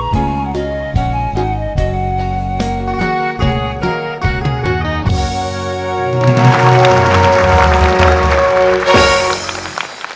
หนึ่งประเภทวัฒนภาพ